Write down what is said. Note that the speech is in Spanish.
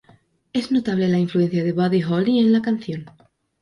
Es notable la influencia de Buddy Holly en la canción.